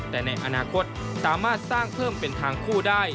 แต่ในอนาคตสามารถสร้างเพิ่มเป็นทางคู่ได้